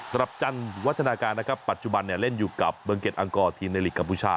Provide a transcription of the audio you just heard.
สำหรับจันทร์วัฒนาการนะครับปัจจุบันเล่นอยู่กับเมืองเก็ตอังกอร์ทีมในลีกกัมพูชา